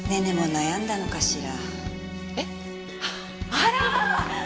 あら！